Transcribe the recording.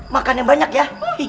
makan yang banyak ya